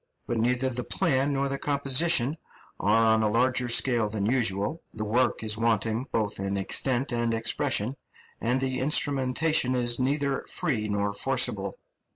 But neither the plan nor the composition are on a larger scale than usual; the work is wanting both in extent and expression, and the instrumentation is neither free nor forcible.